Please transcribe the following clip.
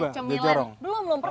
belum belum pernah